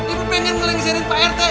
ibu pengen ngelengserin pak rt